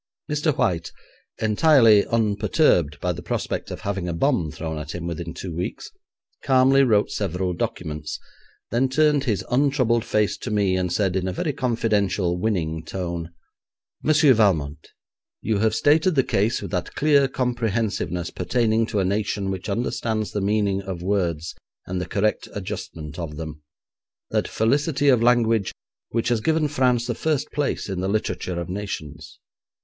Mr. White, entirely unperturbed by the prospect of having a bomb thrown at him within two weeks, calmly wrote several documents, then turned his untroubled face to me, and said, in a very confidential, winning tone: 'Monsieur Valmont, you have stated the case with that clear comprehensiveness pertaining to a nation which understands the meaning of words, and the correct adjustment of them; that felicity of language which has given France the first place in the literature of nations.